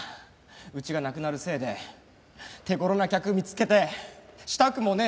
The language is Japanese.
うちがなくなるせいで手頃な客見つけてしたくもねえ